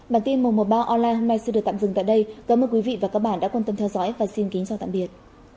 bản tin mùa mùa bao online hôm nay sẽ được tạm dừng tại đây cảm ơn quý vị và các bạn đã quan tâm theo dõi và xin kính chào tạm biệt